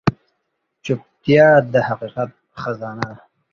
چوپتیا، د حقیقت خزانه ده.